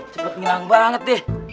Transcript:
cepet nilang banget deh